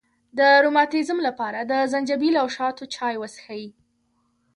د روماتیزم لپاره د زنجبیل او شاتو چای وڅښئ